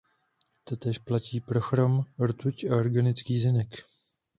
Totéž platí pro chrom, rtuť a organický zinek.